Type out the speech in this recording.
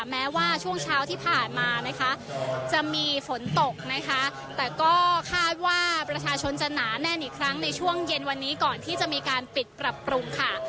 แม้ว่าช่วงเช้าที่ผ่านมานะคะจะมีฝนตกนะคะแต่ก็คาดว่าประชาชนจะหนาแน่นอีกครั้งในช่วงเย็นวันนี้ก่อนที่จะมีการปิดปรับปรุงค่ะ